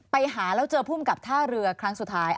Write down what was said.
ไปหาแล้วเจอภูมิกับท่าเรือครั้งสุดท้าย